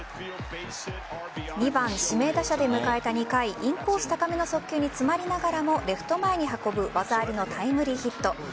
２番・指名打者で迎えた２回インコース高めの速球に詰まりながらもレフト前に運ぶ技ありのタイムリーヒット。